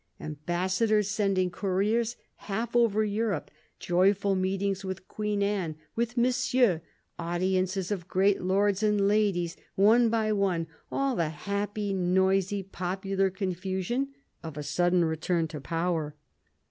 — am bassadors sending couriers half over Europe ; joyful meetings with Queen Anne, with Monsieur ; audiences of great lords and ladies, one by one ; all the happy, noisy, popular confusion of a sudden return to power.